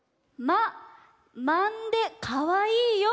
「まんでかわいいよ」。